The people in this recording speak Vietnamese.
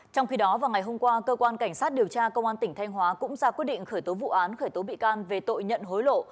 trong khi đó vào ngày hôm qua cơ quan cảnh sát điều tra công an tỉnh thanh hóa cũng ra quyết định khởi tố vụ án khởi tố bị can về tội nhận hối lộ